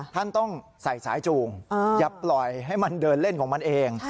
ท่านต้องใส่สายจูงอย่าปล่อยให้มันเดินเล่นของมันเอง